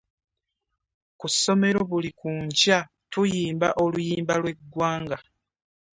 Ku ssomero buli kunkya tuyimba oluyimba lw'eggwanga.